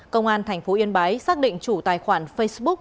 công an thành phố yên bái xác định chủ tài khoản facebook